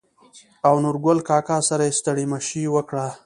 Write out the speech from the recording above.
او نورګل کاکا سره يې ستړي مشې وکړه.